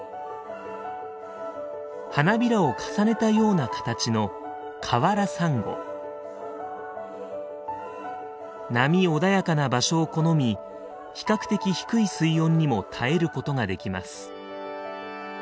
花びらを重ねたような形の波穏やかな場所を好み比較的低い水温にも耐えることができます。